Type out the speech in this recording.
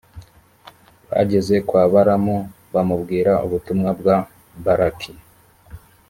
bageze kwa balamu, bamubwira ubutumwa bwa balaki.